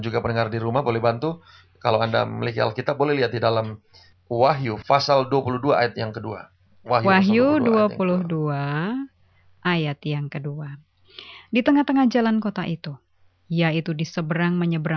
kita akan belajar yang pasti di sana